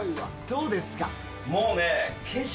どうですか？